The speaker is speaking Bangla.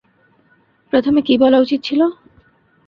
প্রথমে কী বলা উচিত ছিল?